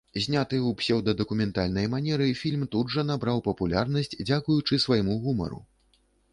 Зняты ў псеўдадакументальнай манеры, фільм тут жа набраў папулярнасць дзякуючы свайму гумару.